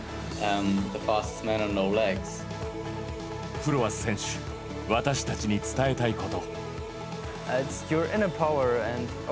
フロアス選手私たちに伝えたいこと。